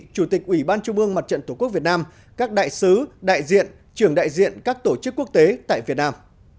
chủ tịch ủy ban trung ương mặt trận tổ quốc việt nam các đại sứ đại diện trưởng đại diện các tổ chức quốc tế tại việt nam